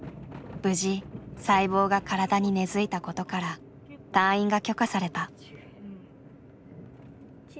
無事細胞が体に根づいたことから退院が許可された。